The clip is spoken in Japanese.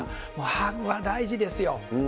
ハグは大事ですよ。